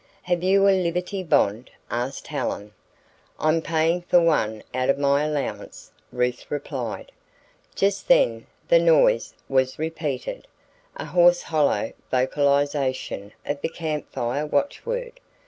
"Have you a Liberty Bond?" asked Helen. "I'm paying for one out of my allowance," Ruth replied. Just then the "noise" was repeated, a hoarse hollow vocalization of the Camp Fire Watchword.